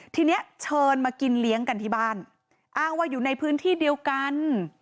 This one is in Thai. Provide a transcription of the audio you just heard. ทีนี้เชิญมากินเลี้ยงกันที่บ้านอ้างว่าอยู่ในพื้นที่เดียวกัน